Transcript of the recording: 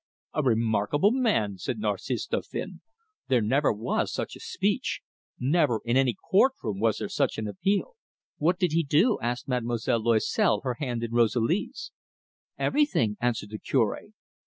"A remarkable man!" said Narcisse Dauphin. "There never was such a speech. Never in any courtroom was there such an appeal." "What did he do?" asked Mademoiselle Loisel, her hand in Rosalie's. "Everything," answered the Cure.